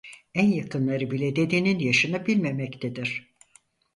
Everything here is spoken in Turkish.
En yakınları bile dedenin yaşını bilmemektedir.